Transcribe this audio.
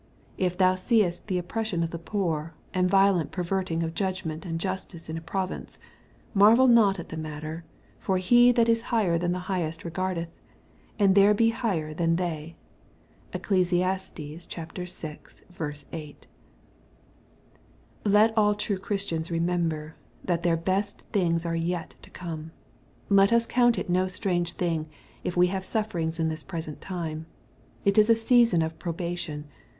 " If thou seest the oppression of the poor, and violent perverting of judgment and justice in a province, marvel not at the matter, for he that is higher than the highest regardeth : and there be higher than they." (Eccles. vi. 8.) Let aU true Christians remember, that their best things are yet to come. Let us count it no strange thing, if we have sufferings in this present time. It is a season of probation.